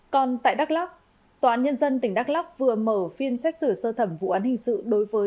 còn tại đắk lắc tòa án nhân dân tỉnh đắk lóc vừa mở phiên xét xử sơ thẩm vụ án hình sự đối với